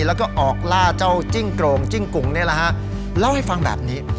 แล้วก็ออกล่าเจ้าจิ้งโกรงจิ้งกุ่งนี่แหละฮะเล่าให้ฟังแบบนี้